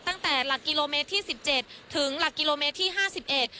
ตั้งแต่หลักกิโลเมตรที่สิบเจ็ดถึงหลักกิโลเมตรที่ห้าสิบเอ็ด